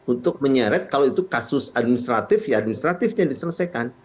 untuk menyeret kalau itu kasus administratif ya administratifnya diselesaikan